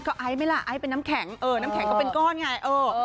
ก็ไอซ์ไหมล่ะไอซ์เป็นน้ำแข็งเออน้ำแข็งก็เป็นก้อนไงเออ